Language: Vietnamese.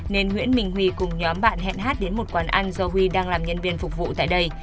nên nguyễn minh huy cùng nhóm bạn hẹn hát đến một quán anh do huy đang làm nhân viên phục vụ tại đây